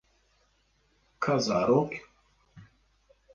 Ka zarok.